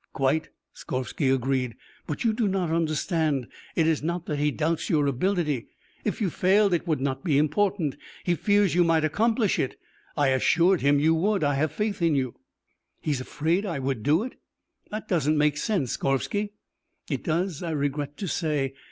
"Quite," Skorvsky agreed. "But you do not understand. It is not that he doubts your ability if you failed it would not be important. He fears you might accomplish it. I assured him you would. I have faith in you." "He's afraid I would do it? That doesn't make sense, Skorvsky." "It does, I regret to say."